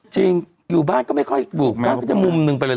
จริงอยู่บ้านก็ไม่ค่อยอยู่บ้านก็จะมุมหนึ่งไปเลย